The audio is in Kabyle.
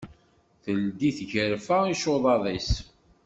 Teldi tgarfa icuḍaḍ-is.